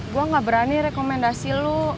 gue gak berani rekomendasi lu